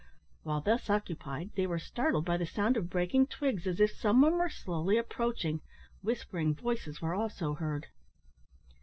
While thus occupied, they were startled by the sound of breaking twigs, as if some one were slowly approaching; whispering voices were also heard.